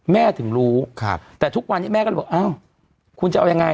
แม่ถึงรู้แต่ทุกวันนี้แม่ก็บอกคุณจะเอายังไง